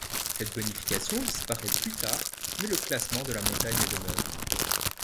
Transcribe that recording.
Cette bonification disparaît plus tard, mais le classement de la montagne demeure.